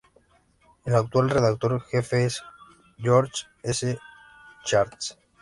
El actual redactor jefe es George C. Schatz.